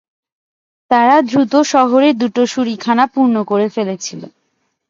তারা দ্রুত শহরের দুটো শুঁড়িখানা পূর্ণ করে ফেলেছিল।